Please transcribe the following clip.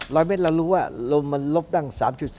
รอยเม็ดเรารู้ว่าลงมาลบตั้ง๓๓